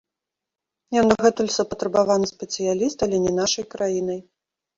Ён дагэтуль запатрабаваны спецыяліст, але не нашай краінай.